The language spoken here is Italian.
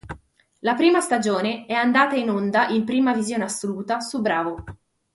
La prima stagione è andata in onda in prima visione assoluta su Bravo!